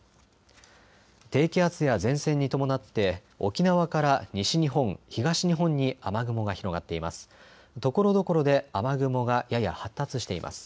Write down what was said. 低気圧や前線に伴って沖縄から西日本、東日本に雨雲が広がっています。